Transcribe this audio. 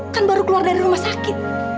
kan baru keluar dari rumah sakit